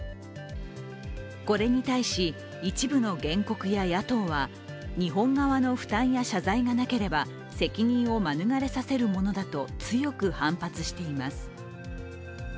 これに対し、一部の原告や野党は日本側の負担や謝罪がなければ責任を免れさせるものだと強く反発しています。